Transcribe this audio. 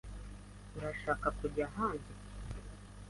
Urashaka kujya ahandi?